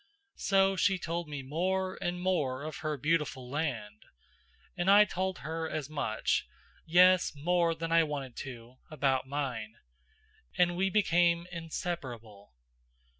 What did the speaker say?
So she told me more and more of her beautiful land; and I told her as much, yes, more than I wanted to, about mine; and we became inseparable.